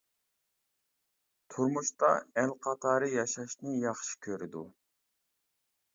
تۇرمۇشتا ئەل قاتارى ياشاشنى ياخشى كۆرىدۇ.